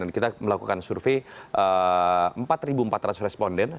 dan kita melakukan survei empat empat ratus responden